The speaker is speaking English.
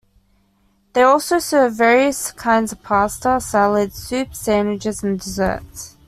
They also serve various kinds of pasta, salads, soups, sandwiches and desserts.